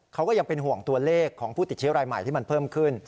เขาก็ยังเป็นห่วงตัวเลขของผู้ติดเชื้อรายใหม่ที่มันเพิ่มขึ้น